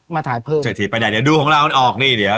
มาถ่ายเพิ่มจะถีดไปแดนเดี๋ยวดูของเราของเขาออกนี่เดี๋ยว